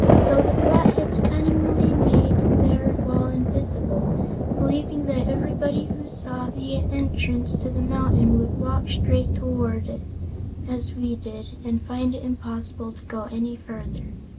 So the Flatheads cunningly made their wall invisible, believing that everyone who saw the entrance to the mountain would walk straight toward it, as we did, and find it impossible to go any farther.